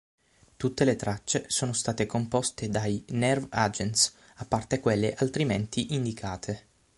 Tutte le tracce sono state composte dai Nerve Agents, a parte quelle altrimenti indicate.